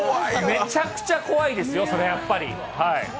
めちゃくちゃ怖いですよ、それはやっぱり。